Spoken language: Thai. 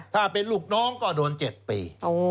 ถ้าเป็นลูกน้องก็โดน๗ปี